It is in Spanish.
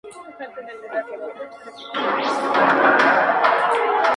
Compendio de veinticuatro relatos.